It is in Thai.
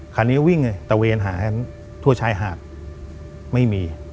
คราวนี้วิ่งเลยตะเวนหากันทั่วชายหาดไม่มี